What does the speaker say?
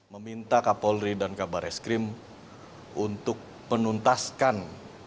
meminta kapolri dan kabar eskrim untuk menuntaskan